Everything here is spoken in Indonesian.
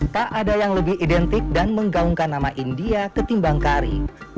tak ada yang lebih identik dan menggaungkan nama india ketimbang kari